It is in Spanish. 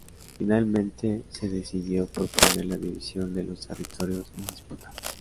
Finalmente, se decidió proponer la división de los territorios en disputa.